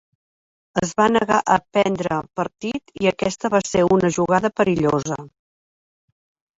Es va negar a prendre partit i aquesta va ser una jugada perillosa.